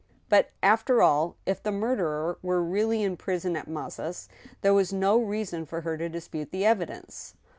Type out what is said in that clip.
But, after all, if the murderer were really in prison at Mazas, there was no reason for her to dispute the evidence.